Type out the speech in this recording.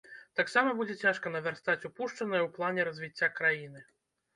Таксама будзе цяжка навярстаць упушчанае ў плане развіцця краіны.